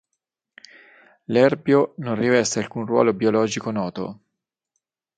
L'erbio non riveste alcun ruolo biologico noto.